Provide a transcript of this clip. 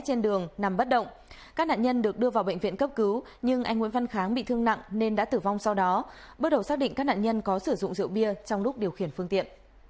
các bạn hãy đăng ký kênh để ủng hộ kênh của chúng mình nhé